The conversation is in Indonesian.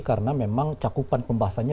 karena memang cakupan pembahasannya